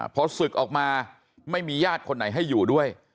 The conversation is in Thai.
พอศึกออกมาไม่มีญาติคนไหนให้อยู่ด้วย